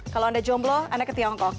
kalau anda jomblo anda ke tiongkok